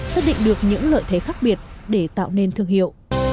xác định được những lợi thế khác biệt để tạo nên thương hiệu